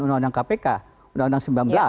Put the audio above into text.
undang undang kpk undang undang